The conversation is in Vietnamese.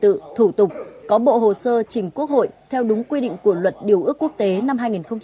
tự thủ tục có bộ hồ sơ chỉnh quốc hội theo đúng quy định của luật điều ước quốc tế năm hai nghìn một mươi bốn